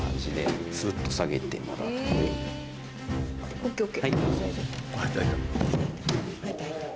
ＯＫＯＫ。